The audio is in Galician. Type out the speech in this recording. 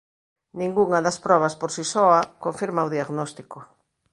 Ningunha das probas por si soa confirma o diagnóstico.